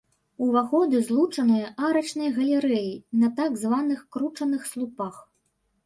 Уваходы злучаныя арачнай галерэяй на так званых кручаных слупах.